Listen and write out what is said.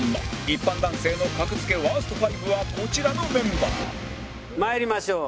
一般男性の格付けワースト５はこちらのメンバーまいりましょう。